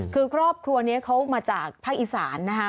คือครอบครัวนี้เขามาจากภาคอีสานนะคะ